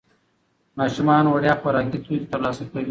ماشومان وړیا خوراکي توکي ترلاسه کوي.